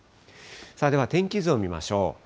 では、天気図を見ましょう。